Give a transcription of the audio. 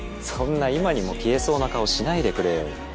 そんな今にも消えそうな顔しないでくれよ。